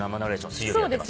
水曜日やってます。